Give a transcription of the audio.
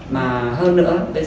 mà hơn nữa